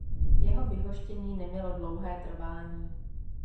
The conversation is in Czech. Jeho vyhoštění nemělo dlouhé trvání.